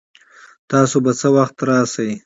تاسو به څه وخت راشئ؟